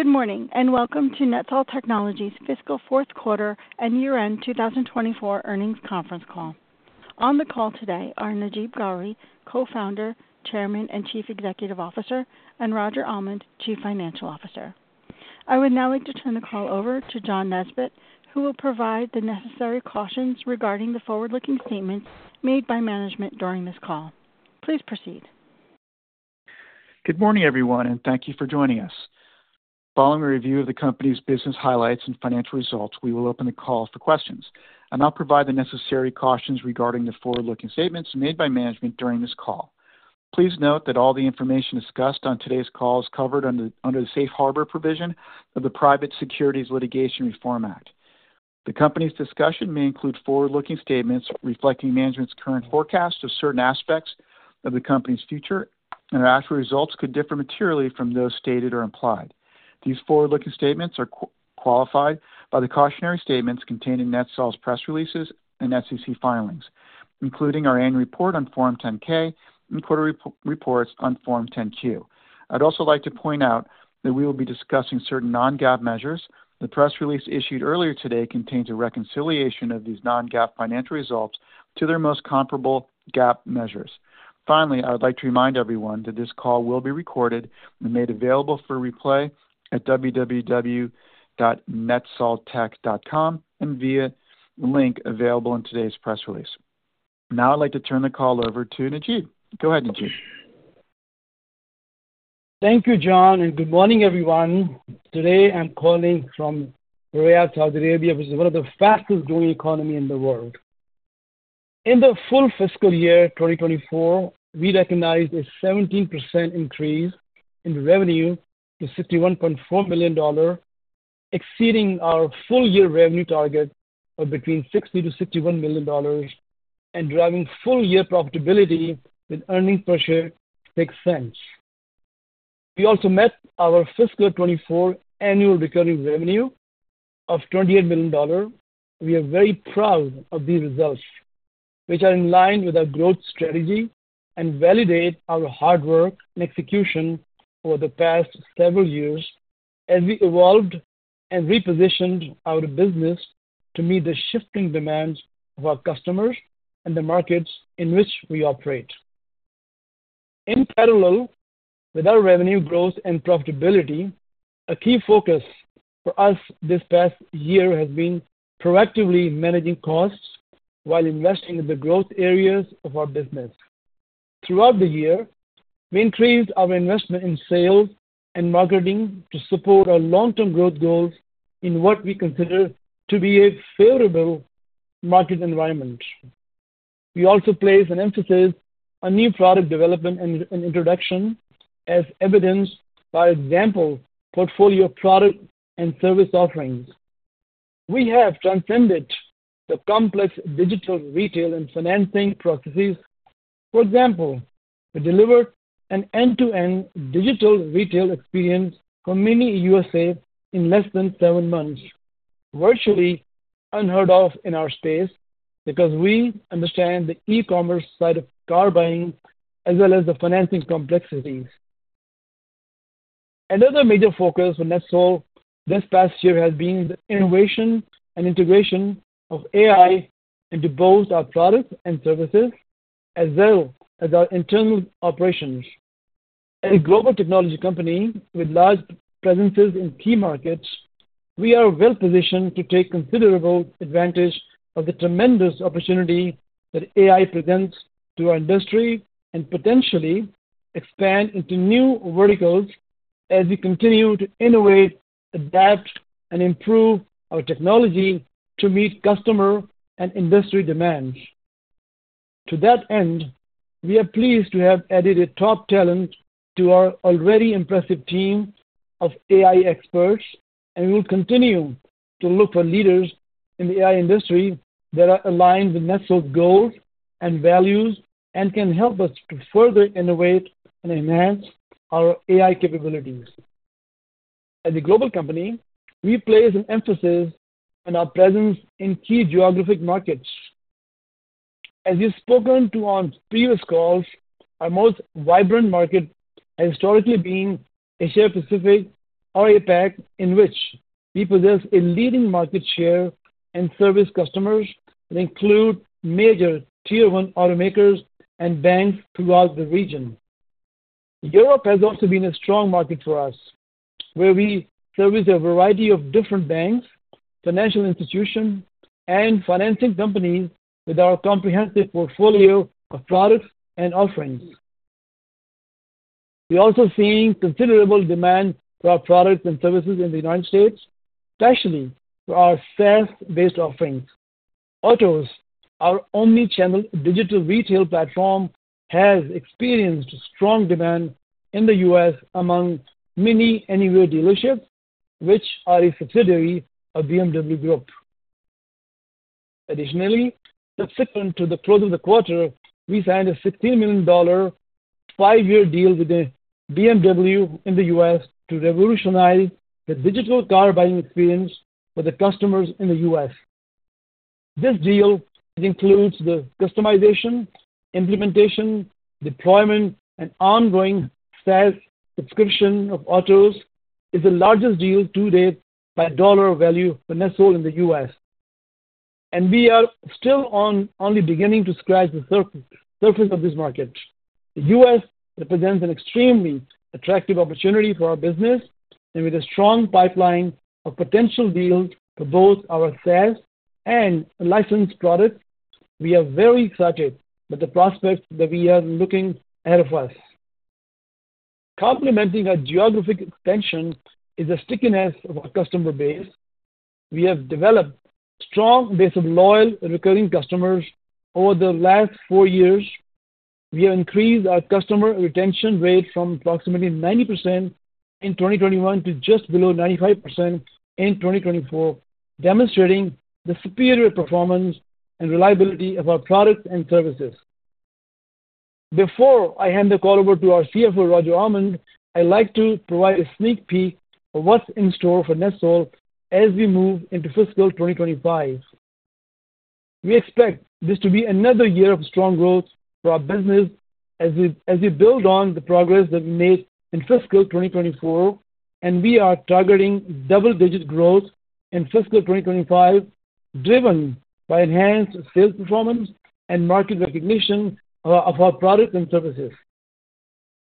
Good morning, and welcome to NetSol Technologies' fiscal fourth quarter and year-end two thousand and twenty-four earnings conference call. On the call today are Najeeb Ghauri, Co-founder, Chairman, and Chief Executive Officer, and Roger Almond, Chief Financial Officer. I would now like to turn the call over to John Nesbett, who will provide the necessary cautions regarding the forward-looking statements made by management during this call. Please proceed. Good morning, everyone, and thank you for joining us. Following a review of the company's business highlights and financial results, we will open the call for questions. I now provide the necessary cautions regarding the forward-looking statements made by management during this call. Please note that all the information discussed on today's call is covered under the Safe Harbor provision of the Private Securities Litigation Reform Act. The company's discussion may include forward-looking statements reflecting management's current forecast of certain aspects of the company's future, and our actual results could differ materially from those stated or implied. These forward-looking statements are qualified by the cautionary statements contained in NetSol's press releases and SEC filings, including our annual report on Form 10-K and quarterly reports on Form 10-Q. I'd also like to point out that we will be discussing certain non-GAAP measures. The press release issued earlier today contains a reconciliation of these non-GAAP financial results to their most comparable GAAP measures. Finally, I would like to remind everyone that this call will be recorded and made available for replay at www.netsoltech.com and via the link available in today's press release. Now I'd like to turn the call over to Najeeb. Go ahead, Najeeb. Thank you, John, and good morning, everyone. Today, I'm calling from Riyadh, Saudi Arabia, which is one of the fastest-growing economy in the world. In the full fiscal year 2024, we recognized a 17% increase in revenue to $61.4 million, exceeding our full-year revenue target of between $60-$61 million and driving full-year profitability with earnings per share of $0.06. We also met our fiscal 2024 annual recurring revenue of $28 million. We are very proud of these results, which are in line with our growth strategy and validate our hard work and execution over the past several years as we evolved and repositioned our business to meet the shifting demands of our customers and the markets in which we operate. In parallel with our revenue growth and profitability, a key focus for us this past year has been proactively managing costs while investing in the growth areas of our business. Throughout the year, we increased our investment in sales and marketing to support our long-term growth goals in what we consider to be a favorable market environment. We also place an emphasis on new product development and introduction as evidenced by, for example, portfolio of product and service offerings. We have transcended the complex digital, retail, and financing processes. For example, we delivered an end-to-end digital retail experience for MINI USA in less than seven months, virtually unheard of in our space because we understand the e-commerce side of car buying as well as the financing complexities. Another major focus for NetSol this past year has been the innovation and integration of AI into both our products and services, as well as our internal operations. As a global technology company with large presences in key markets, we are well positioned to take considerable advantage of the tremendous opportunity that AI presents to our industry and potentially expand into new verticals as we continue to innovate, adapt, and improve our technology to meet customer and industry demands. To that end, we are pleased to have added a top talent to our already impressive team of AI experts, and we will continue to look for leaders in the AI industry that are aligned with NetSol's goals and values and can help us to further innovate and enhance our AI capabilities. As a global company, we place an emphasis on our presence in key geographic markets. As we've spoken to on previous calls, our most vibrant market has historically been Asia Pacific or APAC, in which we possess a leading market share and service customers that include major Tier One automakers and banks throughout the region. Europe has also been a strong market for us, where we service a variety of different banks, financial institutions, and financing companies with our comprehensive portfolio of products and offerings. We're also seeing considerable demand for our products and services in the United States, especially for our SaaS-based offerings. Otoz, our omnichannel digital retail platform, has experienced strong demand in the U.S. among many Anywhere dealerships, which are a subsidiary of BMW Group. Additionally, subsequent to the close of the quarter, we signed a $16 million five-year deal with the BMW in the U.S. to revolutionize the digital car buying experience for the customers in the U.S. This deal, which includes the customization, implementation, deployment, and ongoing sales subscription of Otoz, is the largest deal to date by dollar value for NetSol in the U.S. We are still only beginning to scratch the surface of this market. The U.S. represents an extremely attractive opportunity for our business, and with a strong pipeline of potential deals for both our sales and licensed products, we are very excited about the prospects that we are looking ahead of us. Complementing our geographic expansion is the stickiness of our customer base. We have developed a strong base of loyal, recurring customers. Over the last four years, we have increased our customer retention rate from approximately 90% in 2021 to just below 95% in 2024, demonstrating the superior performance and reliability of our products and services. Before I hand the call over to our CFO, Roger Almond, I'd like to provide a sneak peek of what's in store for NetSol as we move into fiscal 2025. We expect this to be another year of strong growth for our business as we build on the progress that we made in fiscal 2024, and we are targeting double-digit growth in fiscal 2025, driven by enhanced sales performance and market recognition of our products and services.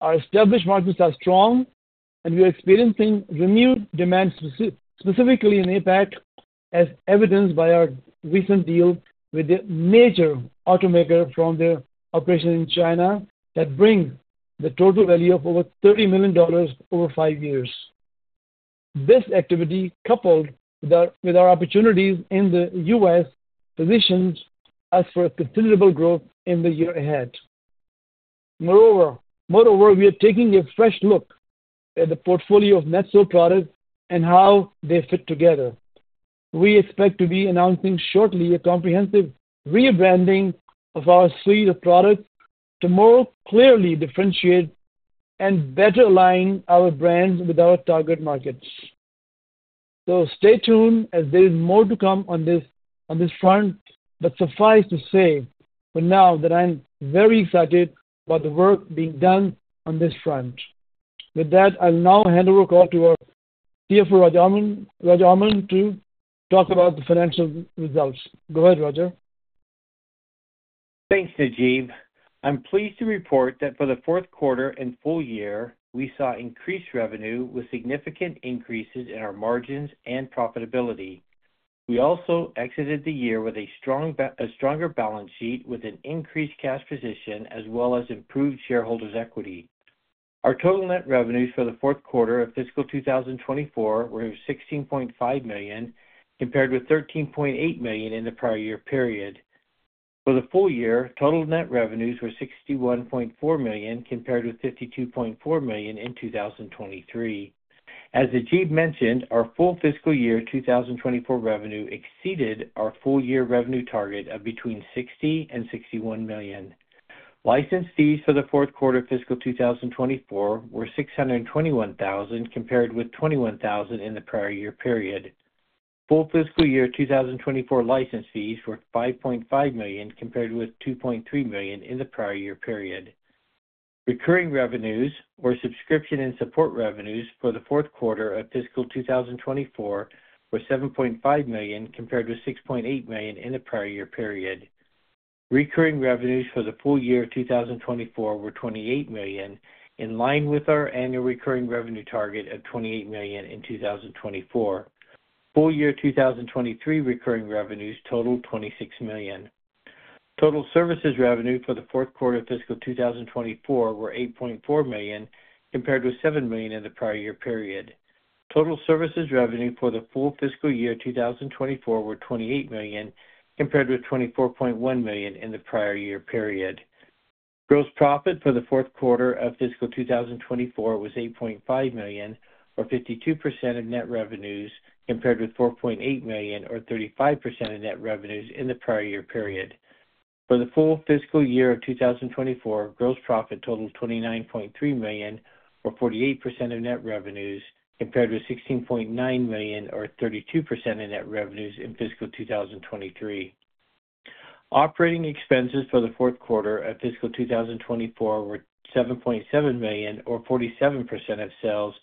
Our established markets are strong, and we are experiencing renewed demand specifically in APAC, as evidenced by our recent deal with a major automaker from their operation in China that brings the total value of over $30 million over five years. This activity, coupled with our opportunities in the U.S., positions us for a considerable growth in the year ahead. Moreover, we are taking a fresh look at the portfolio of NetSol products and how they fit together. We expect to be announcing shortly a comprehensive rebranding of our suite of products to more clearly differentiate and better align our brands with our target markets. So stay tuned, as there is more to come on this front, but suffice to say for now that I'm very excited about the work being done on this front. With that, I'll now hand over the call to our CFO, Roger Almond, to talk about the financial results. Go ahead, Roger. Thanks, Najeeb. I'm pleased to report that for the fourth quarter and full year, we saw increased revenue with significant increases in our margins and profitability. We also exited the year with a stronger balance sheet, with an increased cash position as well as improved shareholders' equity. Our total net revenues for the fourth quarter of fiscal 2024 were $16.5 million, compared with $13.8 million in the prior year period. For the full year, total net revenues were $61.4 million, compared with $52.4 million in 2023. As Najeeb mentioned, our full fiscal year 2024 revenue exceeded our full year revenue target of between $60 million-$61 million. License fees for the fourth quarter of fiscal 2024 were $621,000, compared with $21,000 in the prior year period. Full fiscal year 2024 license fees were $5.5 million, compared with $2.3 million in the prior year period. Recurring revenues or subscription and support revenues for the fourth quarter of fiscal 2024 were $7.5 million, compared with $6.8 million in the prior year period. Recurring revenues for the full year of 2024 were $28 million, in line with our annual recurring revenue target of $28 million in 2024. Full year 2023 recurring revenues totaled $26 million. Total services revenue for the fourth quarter of fiscal 2024 were $8.4 million, compared with $7 million in the prior year period. Total services revenue for the full fiscal year 2024 were $28 million, compared with $24.1 million in the prior year period. Gross profit for the fourth quarter of fiscal 2024 was $8.5 million, or 52% of net revenues, compared with $4.8 million, or 35% of net revenues in the prior year period. For the full fiscal year of 2024, gross profit totaled $29.3 million, or 48% of net revenues, compared with $16.9 million, or 32% of net revenues in fiscal 2023. Operating expenses for the fourth quarter of fiscal 2024 were $7.7 million, or 47% of sales,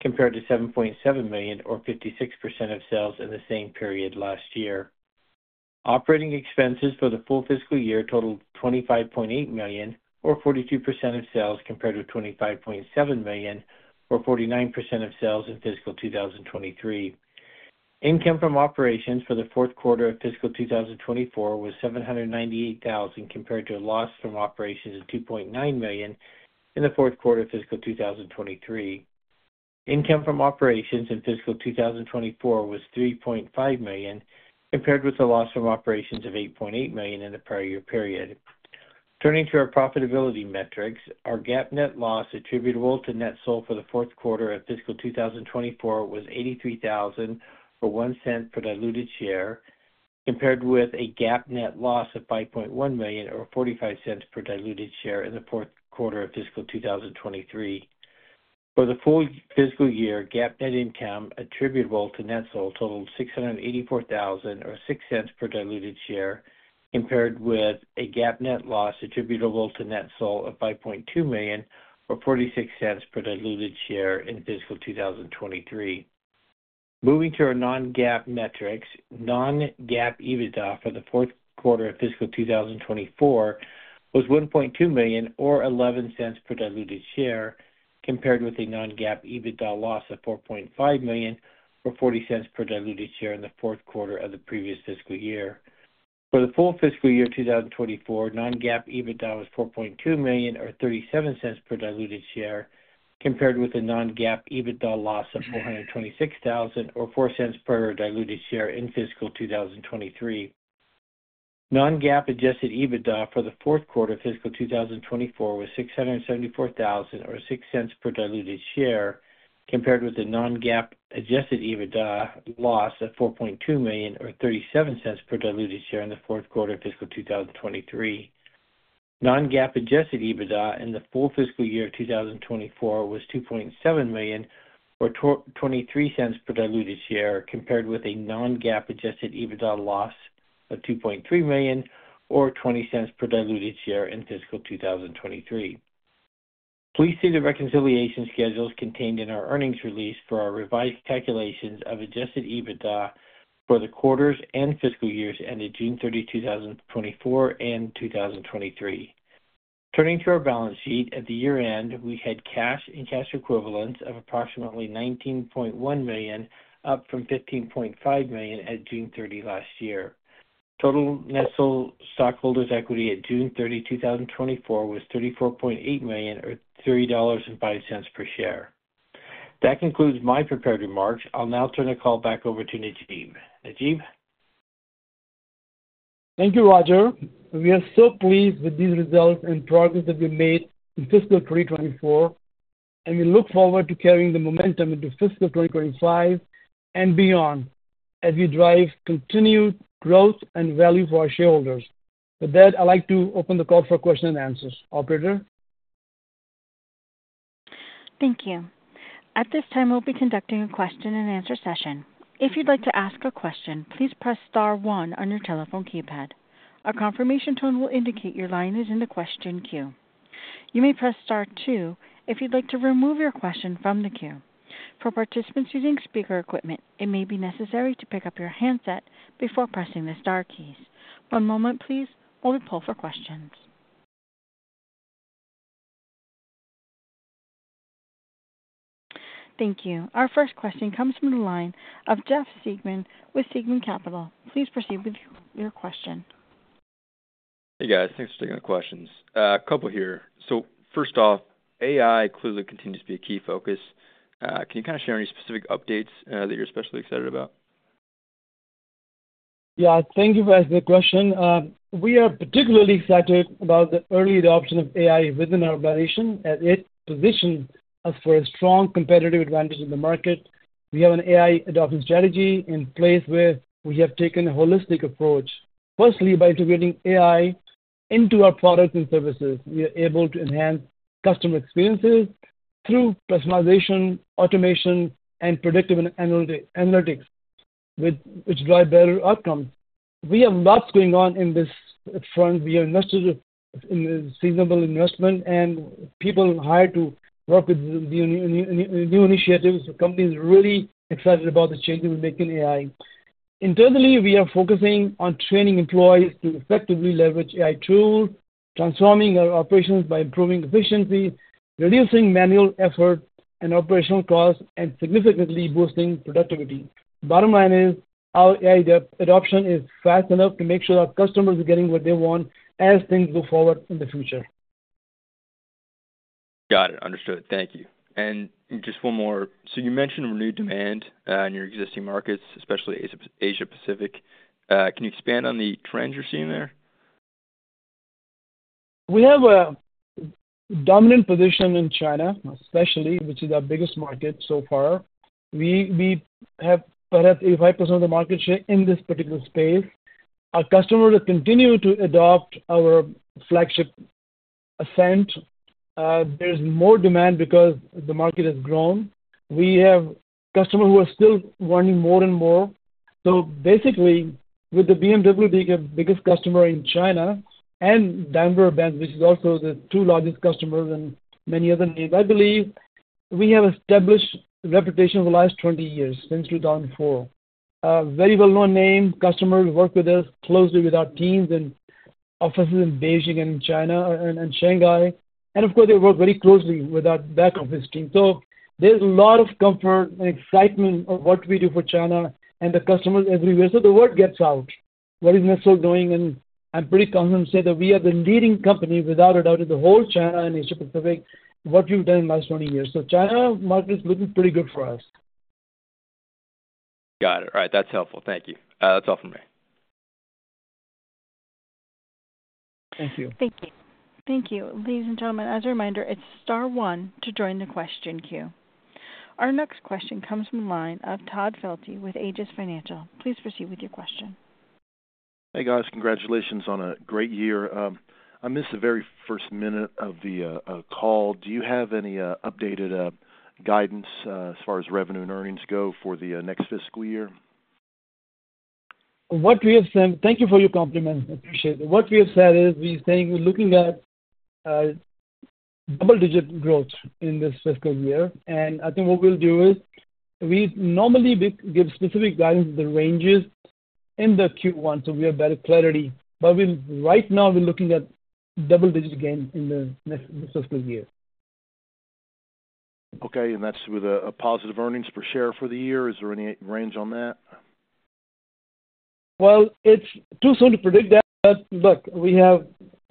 compared to $7.7 million, or 56% of sales in the same period last year. Operating expenses for the full fiscal year totaled $25.8 million, or 42% of sales, compared with $25.7 million, or 49% of sales in fiscal 2023. Income from operations for the fourth quarter of fiscal 2024 was $798,000, compared to a loss from operations of $2.9 million in the fourth quarter of fiscal 2023. Income from operations in fiscal 2024 was $3.5 million, compared with a loss from operations of $8.8 million in the prior year period. Turning to our profitability metrics, our GAAP net loss attributable to NetSol for the fourth quarter of fiscal 2024 was $83,000, or $0.01 per diluted share, compared with a GAAP net loss of $5.1 million, or $0.45 per diluted share in the fourth quarter of fiscal 2023. For the full fiscal year, GAAP net income attributable to NetSol totaled $684,000, or $0.06 per diluted share, compared with a GAAP net loss attributable to NetSol of $5.2 million, or $0.46 per diluted share in fiscal 2023. Moving to our non-GAAP metrics. Non-GAAP EBITDA for the fourth quarter of fiscal 2024 was $1.2 million, or $0.11 per diluted share, compared with a non-GAAP EBITDA loss of $4.5 million, or $0.40 per diluted share in the fourth quarter of the previous fiscal year. For the full fiscal year 2024, non-GAAP EBITDA was $4.2 million, or $0.37 per diluted share, compared with a non-GAAP EBITDA loss of $426,000, or $0.04 per diluted share in fiscal 2023. Non-GAAP adjusted EBITDA for the fourth quarter of fiscal 2024 was $674,000, or $0.06 per diluted share, compared with the non-GAAP adjusted EBITDA loss of $4.2 million, or $0.37 per diluted share in the fourth quarter of fiscal 2023. Non-GAAP adjusted EBITDA in the full fiscal year of 2024 was $2.7 million, or $0.23 per diluted share, compared with a non-GAAP adjusted EBITDA loss of $2.3 million or $0.20 per diluted share in fiscal 2023. Please see the reconciliation schedules contained in our earnings release for our revised calculations of adjusted EBITDA for the quarters and fiscal years ending June 30, 2024 and 2023. Turning to our balance sheet, at the year-end, we had cash and cash equivalents of approximately $19.1 million, up from $15.5 million at June 30 last year. Total NetSol stockholders' equity at June 30, 2024, was $34.8 million, or $30.05 per share. That concludes my prepared remarks. I'll now turn the call back over to Najeeb. Najeeb? Thank you, Roger. We are so pleased with these results and progress that we made in fiscal twenty twenty-four, and we look forward to carrying the momentum into fiscal twenty twenty-five and beyond as we drive continued growth and value for our shareholders. With that, I'd like to open the call for question and answers. Operator? Thank you. At this time, we'll be conducting a question-and-answer session. If you'd like to ask a question, please press *1 on your telephone keypad. A confirmation tone will indicate your line is in the question queue. You may press *2 if you'd like to remove your question from the queue. For participants using speaker equipment, it may be necessary to pick up your handset before pressing the star keys. One moment please, while we poll for questions. Thank you. Our first question comes from the line of Jeff Siegman with Siegman Capital. Please proceed with your, your question. Hey, guys. Thanks for taking the questions. A couple here. So first off, AI clearly continues to be a key focus. Can you kind of share any specific updates that you're especially excited about? Yeah, thank you for asking the question. We are particularly excited about the early adoption of AI within our organization, as it positions us for a strong competitive advantage in the market. We have an AI adoption strategy in place where we have taken a holistic approach, firstly, by integrating AI into our products and services. We are able to enhance customer experiences through personalization, automation, and predictive analytics, which drive better outcomes. We have lots going on in this front. We have invested in a reasonable investment and people hired to work with the new initiatives. The company is really excited about the changes we make in AI. Internally, we are focusing on training employees to effectively leverage AI tools, transforming our operations by improving efficiency, reducing manual effort and operational costs, and significantly boosting productivity. Bottom line is, our AI adoption is fast enough to make sure our customers are getting what they want as things move forward in the future. Got it. Understood. Thank you. And just one more. So you mentioned renewed demand in your existing markets, especially Asia Pacific. Can you expand on the trends you're seeing there? We have a dominant position in China, especially, which is our biggest market so far. We have perhaps 85% of the market share in this particular space. Our customers continue to adopt our flagship Ascent. There's more demand because the market has grown. We have customers who are still wanting more and more. So basically, with the BMW being our biggest customer in China and Daimler, which is also the two largest customers and many other names, I believe we have established a reputation over the last twenty years, since 2004. A very well-known name, customers work with us closely with our teams and offices in Beijing and China and Shanghai. And of course, they work very closely with our back office team. So there's a lot of comfort and excitement of what we do for China and the customers everywhere. So the word gets out, what is NetSol doing, and I'm pretty confident to say that we are the leading company, without a doubt, in the whole China and Asia Pacific, what we've done in the last twenty years. So China market is looking pretty good for us. Got it. All right, that's helpful. Thank you. That's all for me. Thank you. Thank you. Thank you. Ladies and gentlemen, as a reminder, it's *1 to join the question queue. Our next question comes from the line of Todd Felty with Aegis Financial. Please proceed with your question. ... Hey, guys. Congratulations on a great year. I missed the very first minute of the call. Do you have any updated guidance as far as revenue and earnings go for the next fiscal year? What we have said. Thank you for your compliment. Appreciate it. What we have said is, we saying we're looking at double-digit growth in this fiscal year, and I think what we'll do is, we normally give specific guidance, the ranges, in the Q1, so we have better clarity. But right now, we're looking at double-digit again in the next fiscal year. Okay, and that's with a positive earnings per share for the year. Is there any range on that? It's too soon to predict that. But look, we have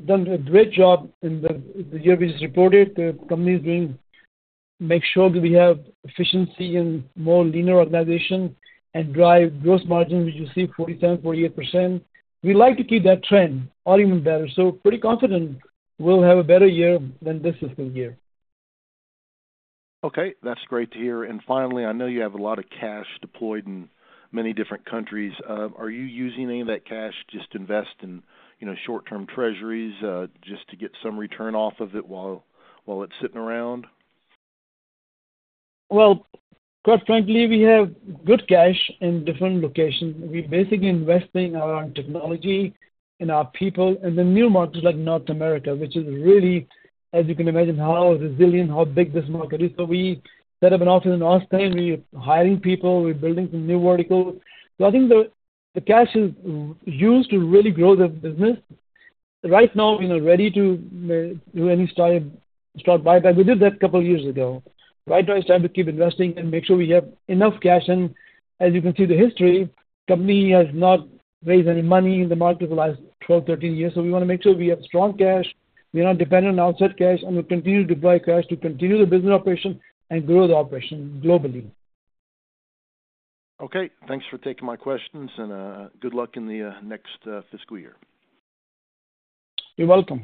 done a great job in the year we just reported. The company is doing... Make sure that we have efficiency and more leaner organization and drive gross margins, which you see 47%-48%. We like to keep that trend or even better, so pretty confident we'll have a better year than this fiscal year. Okay, that's great to hear. And finally, I know you have a lot of cash deployed in many different countries. Are you using any of that cash just to invest in, you know, short-term treasuries, just to get some return off of it while it's sitting around? Quite frankly, we have good cash in different locations. We're basically investing in our technology, in our people, in the new markets like North America, which is really, as you can imagine, how resilient, how big this market is. So we set up an office in Austin. We're hiring people. We're building some new verticals. So I think the cash is used to really grow the business. Right now, we are ready to do any stock buyback. We did that a couple of years ago. Right now, it's time to keep investing and make sure we have enough cash. As you can see, the history, company has not raised any money in the market for the last 12 years -13 years. So we want to make sure we have strong cash, we are not dependent on outside cash, and we continue to deploy cash to continue the business operation and grow the operation globally. Okay. Thanks for taking my questions, and good luck in the next fiscal year. You're welcome.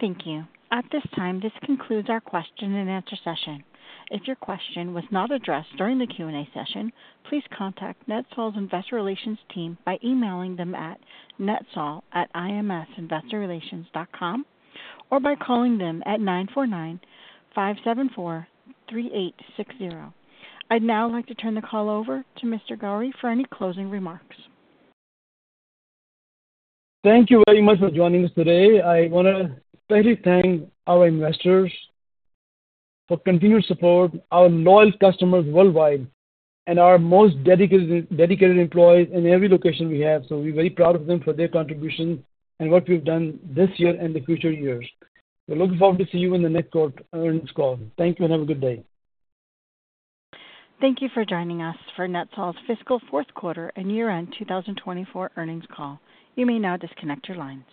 Thank you. At this time, this concludes our question and answer session. If your question was not addressed during the Q&A session, please contact NetSol's Investor Relations team by emailing them at netsol@imsinvestorrelations.com, or by calling them at 9495743860. I'd now like to turn the call over to Mr. Ghauri for any closing remarks. Thank you very much for joining us today. I wanna firstly thank our investors for continued support, our loyal customers worldwide, and our most dedicated employees in every location we have. So we're very proud of them for their contribution and what we've done this year and the future years. We're looking forward to see you in the next quarter earnings call. Thank you, and have a good day. Thank you for joining us for NetSol's fiscal fourth quarter and year-end 2024 earnings call. You may now disconnect your lines.